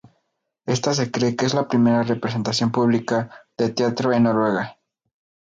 Esta se cree que es la primera representación pública de teatro en Noruega.